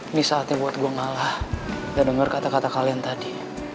ini saatnya buat gue ngalah dan dengar kata kata kalian tadi